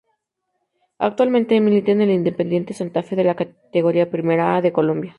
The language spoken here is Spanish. Actualmente milita en el Independiente Santa Fe de la Categoría Primera A de Colombia.